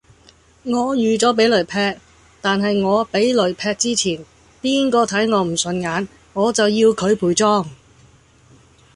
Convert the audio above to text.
我預咗俾雷劈，但係我俾雷劈之前，邊個睇我唔順眼，我就要佢陪葬。